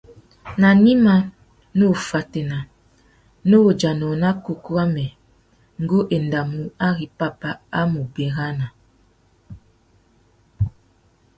Nà gnïmá, nnú fatēna, nnú udjana na ukutu amê: ngu endamú ari pápá a mú bérana.